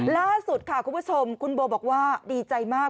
ล่าสุดค่ะคุณผู้ชมคุณโบบอกว่าดีใจมาก